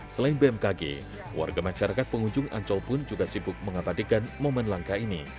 selain bmkg warga masyarakat pengunjung ancol pun juga sibuk mengabadikan momen langka ini